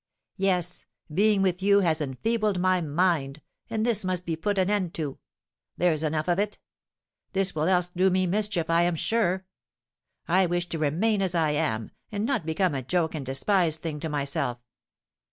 Yes, being with you has enfeebled my mind, and this must be put an end to, there's enough of it; this will else do me mischief, I am sure. I wish to remain as I am, and not become a joke and despised thing to myself."